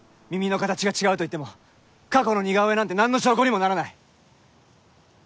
耳の形が違うと言っても過去の似顔絵なんてなんの証拠にもならない。